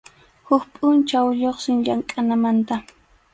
Huk pʼunchaw lluqsin llamkʼananmanta.